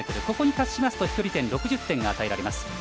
ここに達しますと飛距離点６０点が与えられます。